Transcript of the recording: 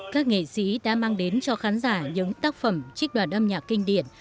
các nghệ sĩ đã mang đến cho khán giả những tác phẩm trích đoàn âm nhạc kinh điển